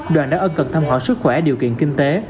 đoàn đã ân cần thăm hỏi sức khỏe điều kiện kinh tế